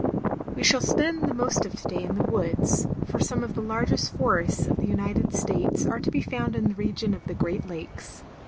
WE shall spend the most of to day in the woods, for some of the largest forests of the United States are to be found in the region of the Great Lakes.